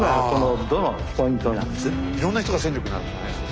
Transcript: いろんな人が戦力になるもんね